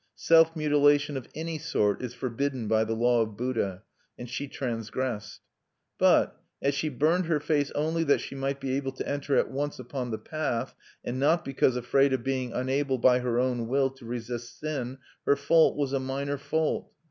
Self mutilation of any sort is forbidden by the law of Buddha; and she transgressed. But, as she burned her face only that she might be able to enter at once upon the Path, and not because afraid of being unable by her own will to resist sin, her fault was a minor fault.